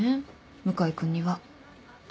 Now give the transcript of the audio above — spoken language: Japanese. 向井君には